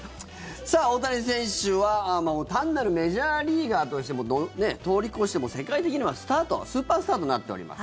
さあ、大谷選手は単なるメジャーリーガーを通り越して世界的にはスーパースターとなっております。